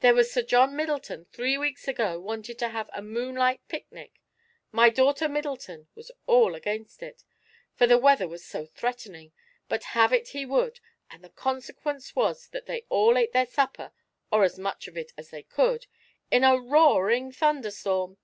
"There was Sir John Middleton three weeks ago wanted to have a moonlight picnic; my daughter Middleton was all against it, for the weather was so threatening, but have it he would, and the consequence was that they all ate their supper, or as much of it as they could, in a roaring thunderstorm.